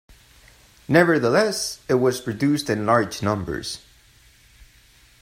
Nevertheless, it was produced in large numbers.